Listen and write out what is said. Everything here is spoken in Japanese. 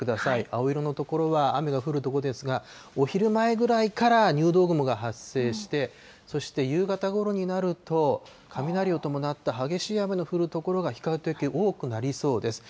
青色の所は雨が降る所ですが、お昼前ぐらいから、入道雲が発生して、そして夕方ごろになると、雷を伴った激しい雨の降る所が、比較的多くなりそうです。